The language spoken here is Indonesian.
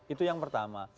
itu yang pertama